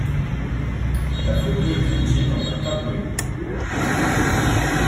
La photo est publiée dans un tabloïde.